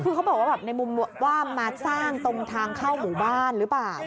คือเขาบอกว่าแบบในมุมว่ามาสร้างตรงทางเข้าหมู่บ้านหรือเปล่า